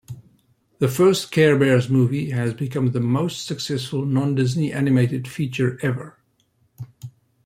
The first Care Bears movie has become the most successful non-Disney animated feature ever.